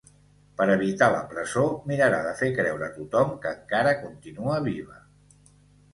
Per evitar la presó, mirarà de fer creure a tothom que encara continua viva.